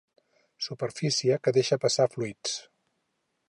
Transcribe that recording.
Superfície que deixa passar fluids.